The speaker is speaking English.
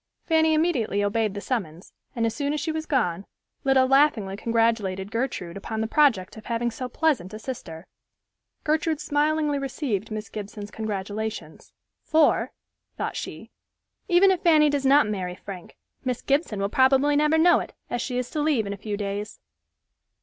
Fanny immediately obeyed the summons, and as soon as she was gone, Lida laughingly congratulated Gertrude upon the project of having so pleasant a sister. Gertrude smilingly received Miss Gibson's congratulations. "For," thought she, "even if Fanny does not marry Frank, Miss Gibson will probably never know it, as she is to leave in a few days."